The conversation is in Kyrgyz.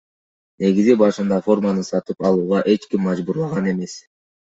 Негизи башында форманы сатып алууга эч ким мажбурлаган эмес.